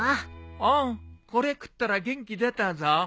おうこれ食ったら元気出たぞ。